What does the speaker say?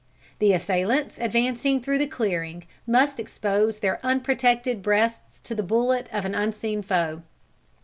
The assailants advancing through the clearing, must expose their unprotected breasts to the bullets of an unseen foe.